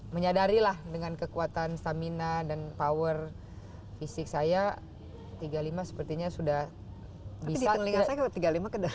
menyadari lah dengan kekuatan stamina dan power fisik saya tiga puluh lima sepertinya sudah bisa